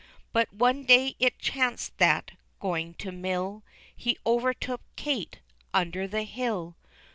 But one day it chanced that, going to mill, He overtook Kate under the hill.